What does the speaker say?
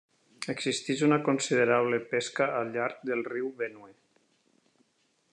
Existeix una considerable pesca al llarg del riu Benue.